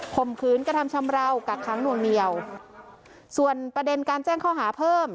มขืนกระทำชำราวกักค้างหน่วงเหนียวส่วนประเด็นการแจ้งข้อหาเพิ่ม